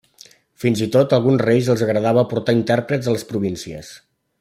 Fins i tot alguns reis els agradava de portar intèrprets a les províncies.